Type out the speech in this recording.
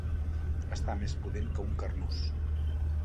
Estar més pudent que un carnús.